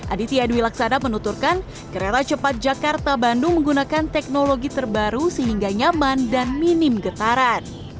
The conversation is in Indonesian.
aditya dwi laksada menuturkan kereta cepat jakarta bandung menggunakan teknologi terbaru sehingga nyaman dan minim getaran